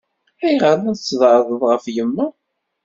Ayɣer ay la tzeɛɛḍeḍ ɣef yemma?